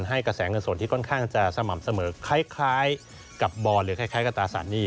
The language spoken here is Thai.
ให้กระแสเงินส่วนที่ค่อนข้างจะสม่ำเสมอคล้ายกับบอลหรือคล้ายกับตราสารหนี้